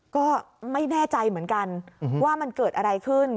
ก็ไม่แน่ใจเหมือนกันว่ามันเกิดอะไรขึ้น